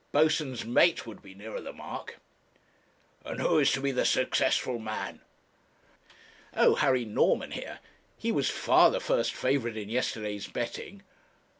Boatswain's mate would be nearer the mark.' 'And who is to be the successful man?' 'Oh, Harry Norman, here. He was far the first favourite in yesterday's betting.'